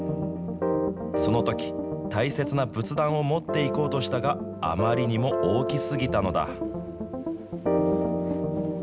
そのとき、大切な仏壇を持っていこうとしたが、あまりにも大きすぎたのだ。